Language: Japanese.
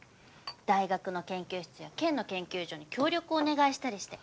大学の研究室や県の研究所に協力をお願いしたりして。